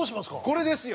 これですよ。